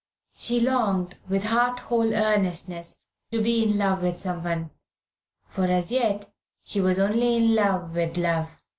She longed, with heart whole earnestness, to be in love with someone, for as yet she was only in love with love.